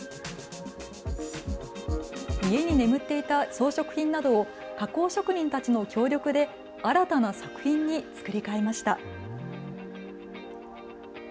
家に眠っていた装飾品などを加工職人たちの協力で新たな作品に作り替えました。